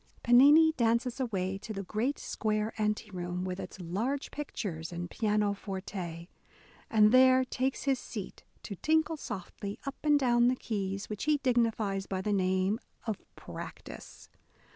Pennini dances away to the great square ante room, with its large pictures and pianoforte, and there takes his seat to tinkle softly up and down the keys, which he dignifies by the name of practice."